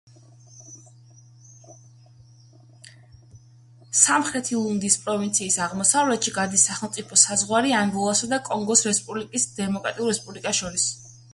სამხრეთი ლუნდის პროვინციის აღმოსავლეთში გადის სახელმწიფო საზღვარი ანგოლასა და კონგოს დემოკრატიულ რესპუბლიკას შორის.